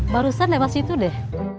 barusan lepas itu deh